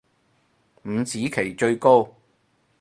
五子棋最高